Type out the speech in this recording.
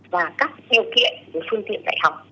và các điều kiện của phương tiện đại học